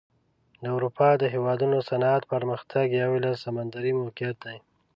د اروپا د هېوادونو صنعتي پرمختګ یو علت سمندري موقعیت دی.